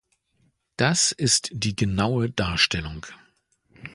Das ist die genaue Darstellung.